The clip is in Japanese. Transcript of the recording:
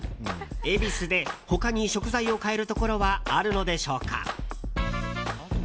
恵比寿で他に食材を買えるところはあるのでしょうか。